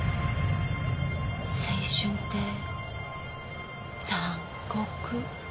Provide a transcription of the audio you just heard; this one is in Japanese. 青春って残酷。